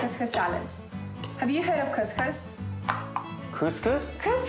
クスクス？